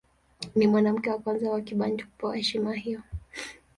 Ni mwanamke wa kwanza wa Kibantu kupewa heshima hiyo.